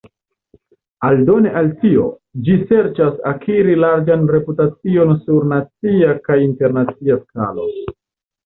Aldone al tio, ĝi serĉas akiri larĝan reputacion sur nacia kaj internacia skalo.